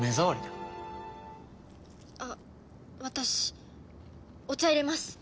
あっ私お茶入れます。